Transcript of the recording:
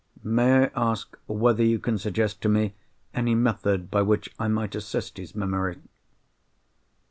May I ask whether you can suggest to me any method by which I might assist his memory?"